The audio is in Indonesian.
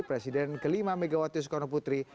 presiden ke lima megawati sukarno putri